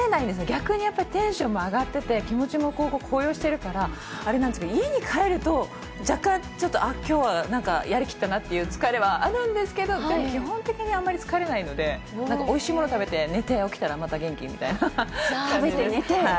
逆にやっぱりテンションも上がってて、気持ちも高揚してるからあれなんですけど、家に帰ると、若干ちょっと、あっ、きょうはやりきったなっていう疲れがあるんですけど、基本的にあんまり疲れないので、なんかおいしいもの食べて、寝て起きたら、また元気みたいな感じです。